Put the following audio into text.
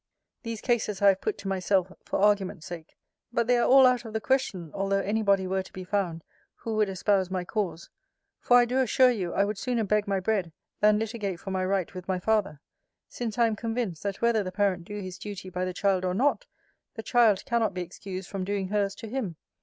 These cases I have put to myself, for argument sake: but they are all out of the question, although any body were to be found who would espouse my cause: for I do assure you, I would sooner beg my bread, than litigate for my right with my father: since I am convinced, that whether the parent do his duty by the child or not, the child cannot be excused from doing hers to him.